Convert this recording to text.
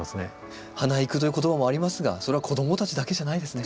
花育という言葉もありますがそれは子供たちだけじゃないですね。